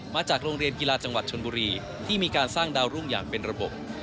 มาจากโรงเรียนกีฬาจังหวัดชนบุรีที่มีการสร้างดาวรุ่งอย่างเป็นระบบ